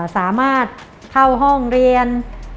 สามารถเข้าห้องเรียน